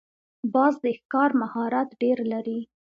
باز د ښکار مهارت ډېر لري